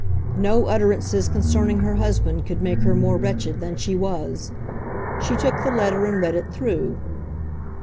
No utterances concerning her husband could make her more wretched than she was. She took the letter and read it through.